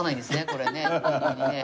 これね。